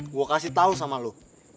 gue kasih tau sama lo